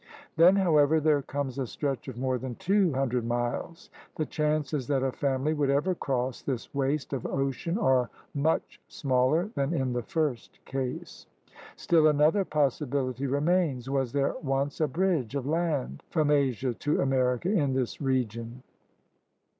Then, however, there comes a stretch of more than two hundred miles. The chances that a family would ever cross this waste of ocean are much smaller than in the first case. Still another possibility remains. Was there once a bridge of land from Asia to America in this region.?